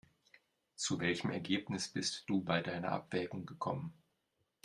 Zu welchem Ergebnis bist du bei deiner Abwägung gekommen?